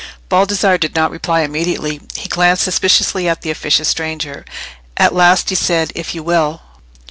Baldassarre did not reply immediately; he glanced suspiciously at the officious stranger. At last he said, "If you will."